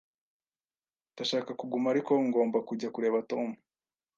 Ndashaka kuguma, ariko ngomba kujya kureba Tom.